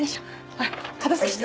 ほら片付けして！